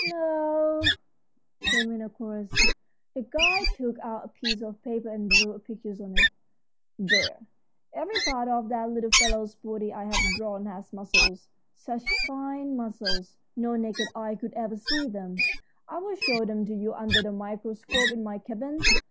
"No," came in a chorus. The guide took out a piece of paper and drew a picture on it. "There, every part of that little fellow's body I've drawn has muscles, such fine muscles no naked eye could ever see them. I'll show them to you under the microscope in my cabin.